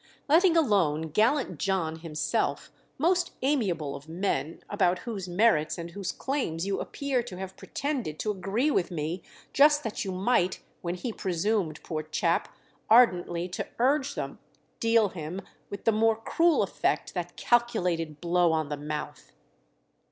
"Letting alone gallant John himself, most amiable of men, about whose merits and whose claims you appear to have pretended to agree with me just that you might, when he presumed, poor chap, ardently to urge them, deal him with the more cruel effect that calculated blow on the mouth!"